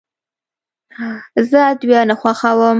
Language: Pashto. زه ادویه نه خوښوم.